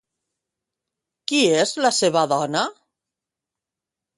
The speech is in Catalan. Qui és la seva dona?